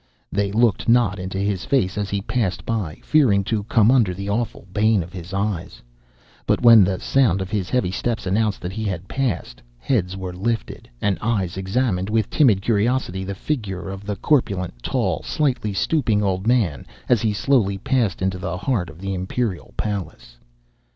They looked not into his face as he passed by, fearing to come under the awful bane of his eyes; but when the sound of his heavy steps announced that he had passed, heads were lifted, and eyes examined with timid curiosity the figure of the corpulent, tall, slightly stooping old man, as he slowly passed into the heart of the imperial palace.